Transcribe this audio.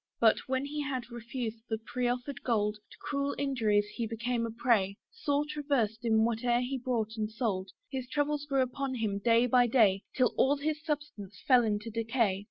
But, when he had refused the proffered gold, To cruel injuries he became a prey, Sore traversed in whate'er he bought and sold: His troubles grew upon him day by day, Till all his substance fell into decay.